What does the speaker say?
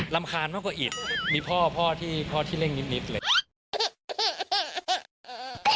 รำคาญมากกว่าอิทมีพ่อที่เร่งนิดเลย